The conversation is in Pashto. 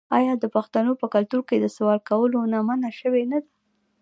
آیا د پښتنو په کلتور کې د سوال کولو نه منع شوې نه ده؟